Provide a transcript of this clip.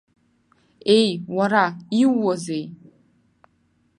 Еи, уара, иууазеи!